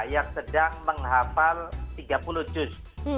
yang sedang menghafal tiga puluh juz